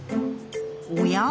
おや？